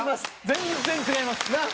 全然違います。